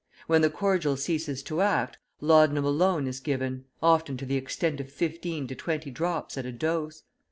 When the cordial ceases to act, laudanum alone is given, often to the extent of fifteen to twenty drops at a dose.